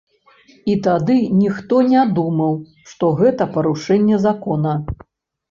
І тады ніхто не думаў, што гэта парушэнне закона.